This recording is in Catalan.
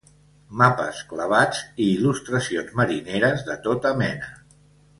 Mapes clavats i il·lustracions marineres de tota mena.